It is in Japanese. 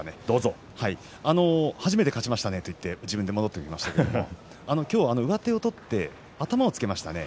初めて勝ちましたねと言って自分で戻ってきましたけれども今日、上手を取って頭をつけましたね。